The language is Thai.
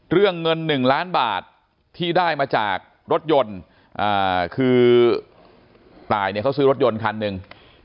เรื่องเงิน๑ล้านบาทที่ได้มาจากรถยนต์คือตายเนี่ยเขาซื้อรถยนต์คันหนึ่ง